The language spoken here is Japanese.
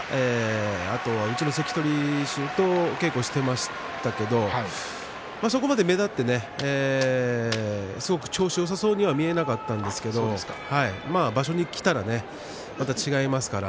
あとはうちの関取衆と稽古をしていましたけれどもそこまで目立って調子よさそうには見えなかったですけれどもまあ場所にきたらねまた違いますから。